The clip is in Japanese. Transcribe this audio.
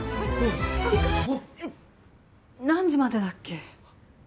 え何時までだっけ！？